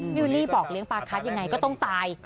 วิวลี่บอกเลี้ยปลาคัดยังไงก็ต้องตาย